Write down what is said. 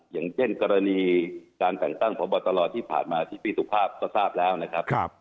อย่างเช่นกรณีการแต่งตั้งพบตรที่ผ่านมาที่พี่สุภาพก็ทราบแล้วนะครับ